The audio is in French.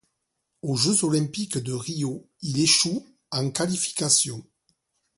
Aux Jeux olympiques de Rio il échoue en qualifications.